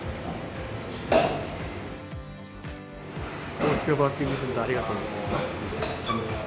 大塚バッティングセンター、ありがとうございます。